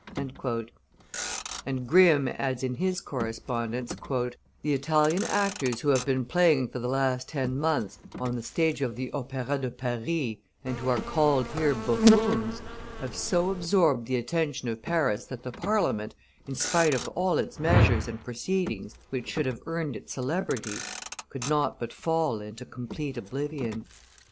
And Grimm adds in his correspondence: "The Italian actors who have been playing for the last ten months on the stage of the Opera de Paris and who are called here bouffons, have so absorbed the attention of Paris that the Parliament, in spite of all its measures and proceedings which should have earned it celebrity, could not but fall into complete oblivion.